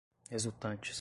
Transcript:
resultantes